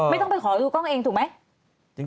ไม่ต้องไปขอดูกล้องเองถูกไหม